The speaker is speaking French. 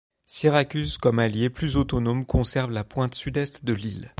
Syracuse comme alliée plus autonome conserve la pointe sud-est de l’île.